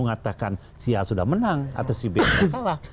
mengatakan si a sudah menang atau si b kalah